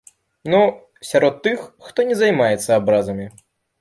Ну, сярод тых, хто не займаецца абразамі.